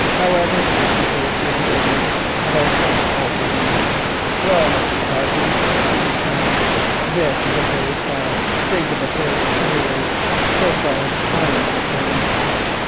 However, it's his way of doing business and I shan't alter him. Well, Mr. Cossey," he went on, "this is a very sad state of affairs, at any rate so far as I am concerned.